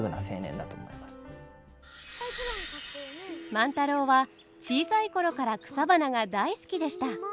万太郎は小さい頃から草花が大好きでした。